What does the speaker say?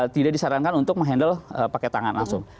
tidak disarankan untuk menghandle pakai tangan langsung